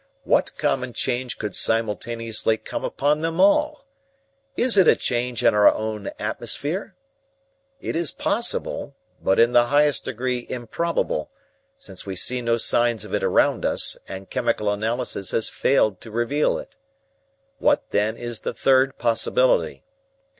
What common change could simultaneously come upon them all? Is it a change in our own atmosphere? It is possible, but in the highest degree improbable, since we see no signs of it around us, and chemical analysis has failed to reveal it. What, then, is the third possibility?